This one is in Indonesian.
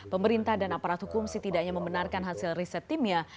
pemerintah dan aparat hukum setidaknya membenarkan hasil riset timnya